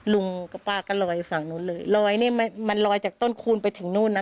ลุงกับป้าก็ลอยฝั่งนู้นเลยลอยนี่มันลอยจากต้นคูณไปถึงนู่นน่ะ